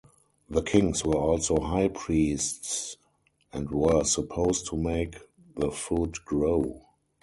The kings were also high priests, and were supposed to make the food grow.